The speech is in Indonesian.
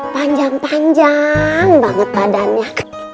panjang panjang banget badannya